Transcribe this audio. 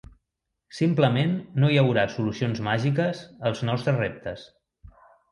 Simplement no hi haurà solucions màgiques als nostres reptes.